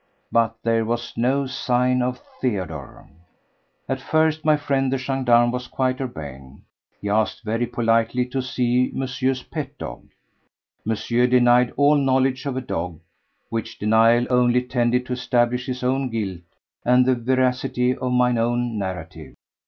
But there was no sign of Theodore! At first my friend the gendarme was quite urbane. He asked very politely to see Monsieur's pet dog. Monsieur denied all knowledge of a dog, which denial only tended to establish his own guilt and the veracity of mine own narrative.